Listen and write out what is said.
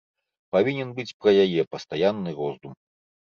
Павінен быць пра яе пастаянны роздум.